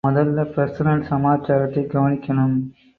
மொதல்ல பெர்சனல் சமாசாரத்தைக் கவனிக்ணும்.